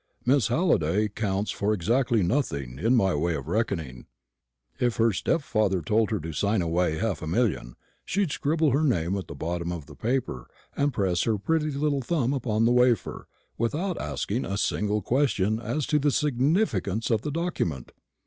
Miss Halliday counts for exactly nothing in my way of reckoning. If her stepfather told her to sign away half a million, she'd scribble her name at the bottom of the paper, and press her pretty little thumb upon the wafer, without asking a single question as to the significance of the document.